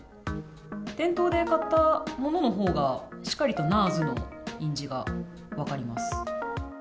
店頭で買ったもののほうがしっかりとＮＡＲＳの印字が分かります。